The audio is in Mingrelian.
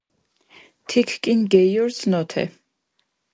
თიქ კინ გეიორზ ნოთე.